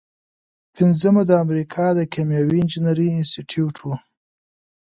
پنځمه د امریکا د کیمیاوي انجینری انسټیټیوټ و.